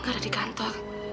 gak ada di kantor